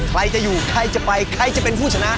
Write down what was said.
ใครจะอยู่ใครจะไปใครจะเป็นผู้ชนะ